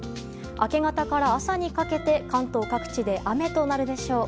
明け方から朝にかけて関東各地で雨となるでしょう。